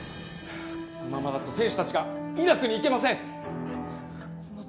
このままだと選手たちがイラクに行けません。